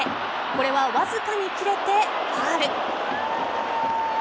これはわずかに切れてファウル。